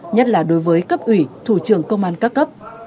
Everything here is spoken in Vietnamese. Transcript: nhất là đối với cấp ủy thủ trưởng công an các cấp